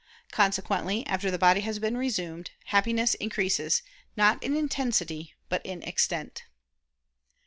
Consequently, after the body has been resumed, Happiness increases not in intensity, but in extent.